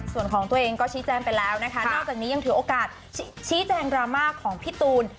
ส่วนของตัวเองก็ชี้แจงไปแล้วนะคะนอกจากนี้ยังถือโอกาสชี้แจงดราม่าของพี่ตูน